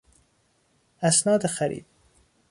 اسناد خرید